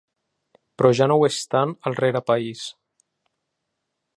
Però ja no ho és tant el rerepaís.